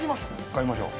買いましょう。